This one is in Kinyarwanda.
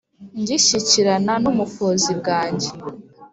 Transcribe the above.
Ngishyikirana n’umufozi bwanjye